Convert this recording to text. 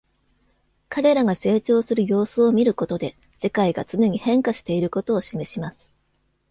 彼らが成長する様子を見ることで、世界が常に変化していることを示します。